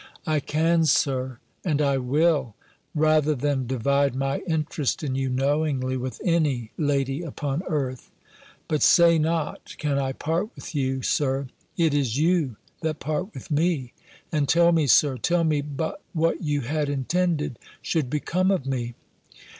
"I can, Sir, and I will! rather than divide my interest in you, knowingly, with any lady upon earth. But say not, can I part with you. Sir; it is you that part with me: and tell me, Sir, tell me but what you had intended should become of me?"